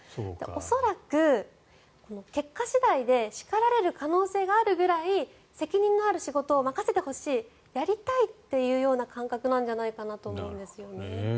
恐らく、結果次第で叱られる可能性がるくらい責任のある仕事を任せてほしいやりたいという感覚なんじゃないかと思うんです。